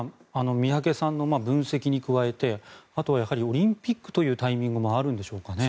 宮家さんの分析に加えてあとはやはりオリンピックというタイミングもあるんでしょうか？